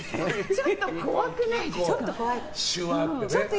ちょっと怖くないですか？